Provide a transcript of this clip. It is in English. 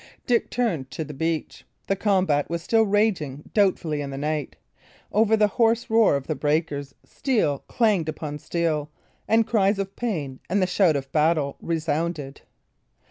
Dick turned to the beach. The combat was still raging doubtfully in the night; over the hoarse roar of the breakers steel clanged upon steel, and cries of pain and the shout of battle resounded.